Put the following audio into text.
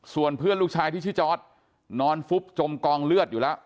ส่วนเพื่อนลูกชายที่ชื่อจอร์ดนอนฟุบจมกองเลือดอยู่แล้ว